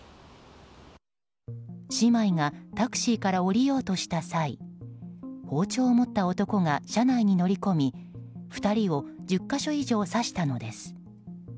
姉妹がタクシーから降りようとした際包丁を持った男が車内に乗り込み２人を１０か所以上刺したのです。